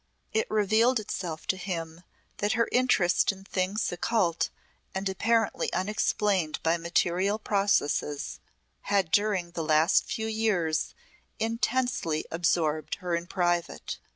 It revealed itself to him that her interest in things occult and apparently unexplained by material processes had during the last few years intensely absorbed her in private.